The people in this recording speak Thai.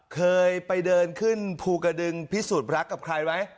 เคยไปเดินขึ้นภูกระดึงพิสูจน์รักกับใครไหม